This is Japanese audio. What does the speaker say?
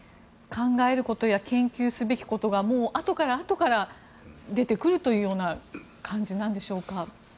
考えることや研究すべきことがもうあとからあとから出てくるという感じなんでしょうか？